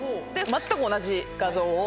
全く同じ画像を。